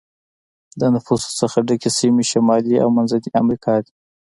د نفوسو څخه ډکې سیمې شمالي او منځنی امریکا دي.